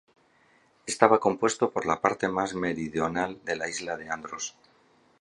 Estaba compuesto por la parte más meridional de la isla de Andros.